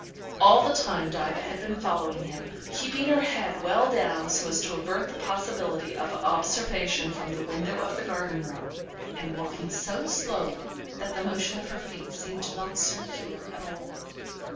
All the time Diva had been following him, keeping her head well down so as to avert the possibility of observation from the window of the garden room, and walking so slowly that the motion of her feet seemed not circular at all.